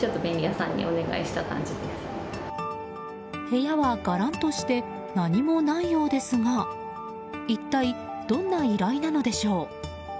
部屋は、がらんとして何もないようですが一体どんな依頼なのでしょう。